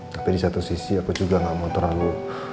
tapi di satu sisi aku juga gak mau terlalu